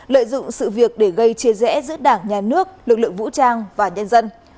lợi dụng sự việc để gây chia rẽ giữa đảng nhà nước lực lượng vũ trang và nhân dân